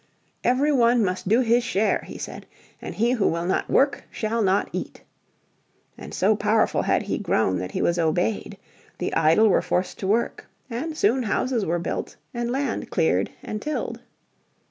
"Every one must do his share," he said, "and he who will not work shall not eat." And so powerful had he grown that he was obeyed. The idle were forced to work, and soon houses were built and land cleared and tilled.